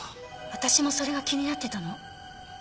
私もそれが気になってたの。